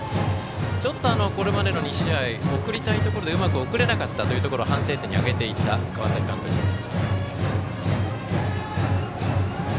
ちょっと、これまでの２試合送りたいところでうまく送れなかったというところ反省点に挙げていた川崎監督です。